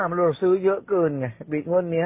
มันเราซื้อเยอะเกินไงงวดนี้